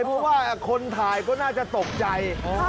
เพราะว่าคนถ่ายก็น่าจะตกใจ